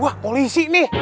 wah polisi nih